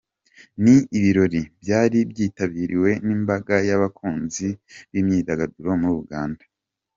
Ni ibirori byari byitabiriwe n’imbaga y’abakunzi b’imyidagaduro muri Uganda.